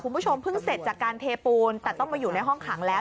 คุณผู้ชมเพิ่งเสร็จจากการเทปูนแต่ต้องมาอยู่ในห้องขังแล้ว